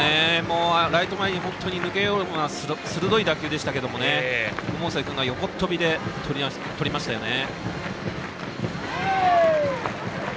ライト前に抜けるような鋭い打球でしたけど百瀬君が横っ飛びでとりましたね。